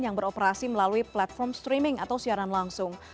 yang beroperasi melalui platform streaming atau siaran langsung